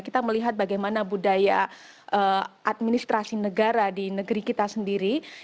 kita melihat bagaimana budaya administrasi negara di negeri kita sendiri